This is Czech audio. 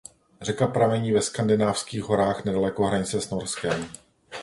Řeka pramení ve Skandinávských horách nedaleko hranice s Norskem.